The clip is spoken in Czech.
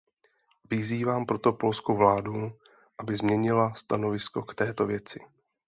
Vyzývám proto polskou vládu, aby změnila stanovisko k této věci.